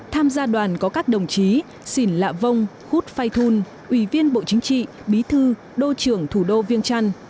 tham gia đoàn có các đồng chí xỉn lạ vông khút phai thun ủy viên bộ chính trị bí thư đô trưởng thủ đô viên trăn